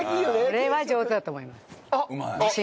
それは上手だと思います。